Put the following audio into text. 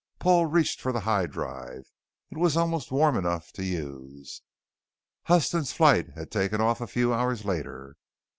Paul reached for the high drive. It was almost warm enough to use Huston's flight had taken off a few hours later.